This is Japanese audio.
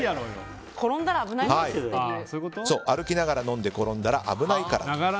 歩きながら飲んで転んだら危ないと。